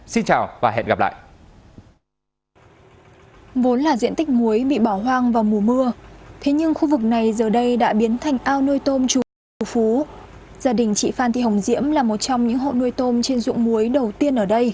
xin chào và hẹn gặp lại